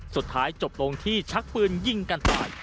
สุดท้ายจบลงที่ชักปืนยิงกันตาย